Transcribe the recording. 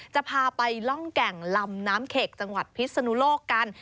จะพาไปร่องแก่งลำน้ำเข็กจังหวัดพิศนุโลกกัน